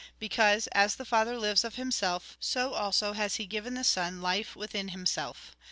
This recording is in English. Because, as the Father lives of Himself, so also has He given the Son life within himself.